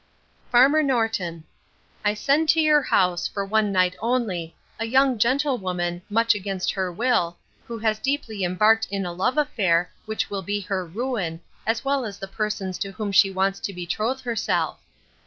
'FARMER NORTON, 'I send to your house, for one night only, a young gentlewoman, much against her will, who has deeply embarked in a love affair, which will be her ruin, as well as the person's to whom she wants to betroth herself.